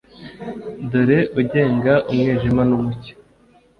Dore ugenga umwijima n’umucyo,